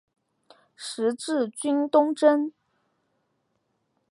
十字军东征。